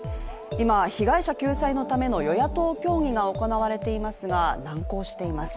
今、被害者救済のための与野党協議が行われていますが難航しています。